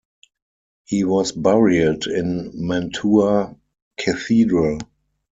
He was buried in Mantua cathedral.